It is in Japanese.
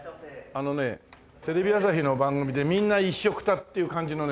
あのねテレビ朝日の番組で「みんな一緒くた」っていう感じのね